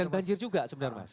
dan banjir juga sebenarnya mas